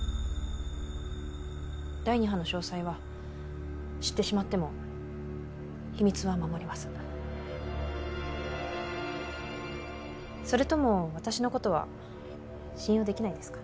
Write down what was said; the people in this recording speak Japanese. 第二波の詳細は知ってしまっても秘密は守りますそれとも私のことは信用できないですか？